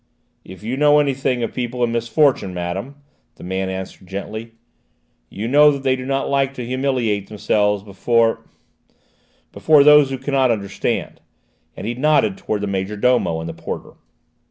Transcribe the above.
"If you know anything of people in misfortune, Madame," the man answered gently, "you know that they do not like to humiliate themselves before before those who cannot understand," and he nodded towards the major domo and the porter.